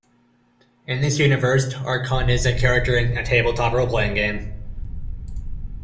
In this universe, Arkon is a character in a tabletop roleplaying game.